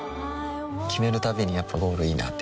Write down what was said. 決めるたびにやっぱゴールいいなってふん